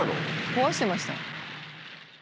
壊してました。